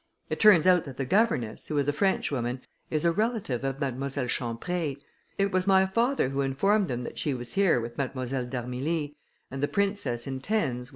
It turns out that the governess, who is a French woman, is a relative of Mademoiselle Champré. It was my father who informed them that she was here, with Mademoiselle d'Armilly, and the princess intends, with M.